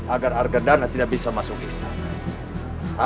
agar harga dana tidak bisa masuk istana